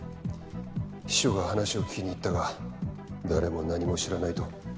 秘書が話を聞きにいったが誰も何も知らないと。